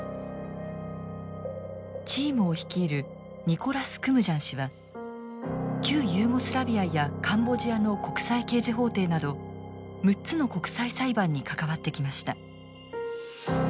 チームを率いるニコラス・クムジャン氏は旧ユーゴスラビアやカンボジアの国際刑事法廷など６つの国際裁判に関わってきました。